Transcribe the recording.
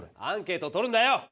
アンケートをとるんだよ！